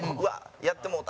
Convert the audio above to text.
やってもうた！